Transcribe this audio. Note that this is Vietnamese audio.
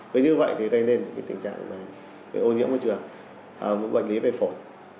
vì như vậy thì gây nên những cái tình trạng về ô nhiễm môi trường bệnh lý về phổi